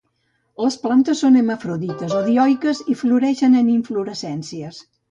Les plantes són hermafrodites o dioiques i floreixen en inflorescències.